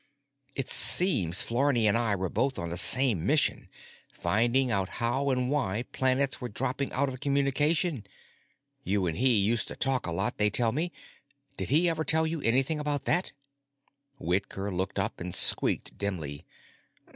"It seems Flarney and I were both on the same mission, finding out how and why planets were dropping out of communication. You and he used to talk a lot, they tell me. Did he ever tell you anything about that?" Whitker looked up and squeaked dimly.